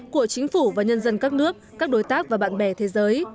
của chính phủ và nhân dân các nước các đối tác và bạn bè thế giới